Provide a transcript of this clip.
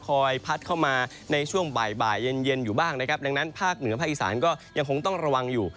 พัดเข้ามาในช่วงบ่ายเย็นเย็นอยู่บ้างนะครับดังนั้นภาคเหนือภาคอีสานก็ยังคงต้องระวังอยู่